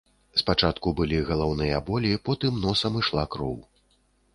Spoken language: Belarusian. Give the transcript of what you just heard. Спачатку былі галаўныя болі, потым носам ішла кроў.